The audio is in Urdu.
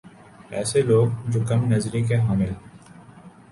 ایسے لوگ جو کم نظری کے حامل